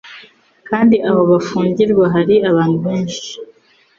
kandi aho bafungirwa hari abantu benshi?